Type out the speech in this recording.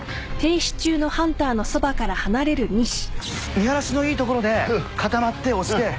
見晴らしのいいところで固まって押して。